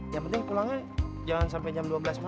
yang penting pulangnya jangan sampai jam dua belas malam